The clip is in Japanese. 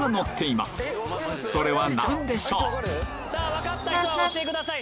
分かった人は押してください。